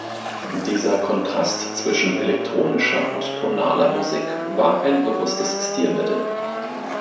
Dieser Kontrast zwischen elektronischer und tonaler Musik war ein bewusstes Stilmittel.